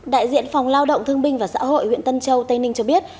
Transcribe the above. đại diện phòng lao động thương binh và xã hội huyện tân châu tây ninh cho biết